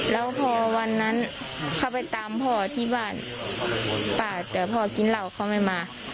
แล้วพอวันนั้นเขาไปตามพ่อที่บ้านป้าแต่พ่อกินเหล้าเขาไม่มา